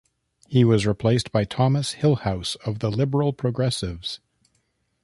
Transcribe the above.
He was replaced by Thomas Hillhouse of the Liberal-Progressives.